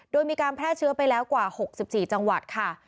โดยมีการแพร่เชื้อไปแล้วกว่า๖๔จังหวัดค่ะ